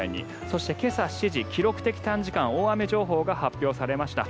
そして今朝７時記録的短時間大雨情報が発表されました。